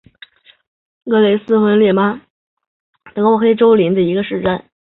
格雷芬维斯巴赫是德国黑森州的一个市镇。